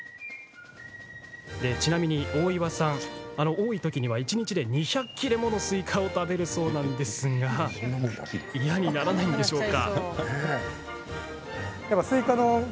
ちなみに大岩さん、多いときには一日で２００切れものスイカを食べるそうなんですが嫌にならないんでしょうか？